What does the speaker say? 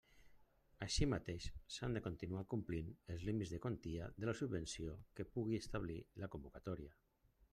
Així mateix s'han de continuar complint els límits de quantia de la subvenció que pugui establir la convocatòria.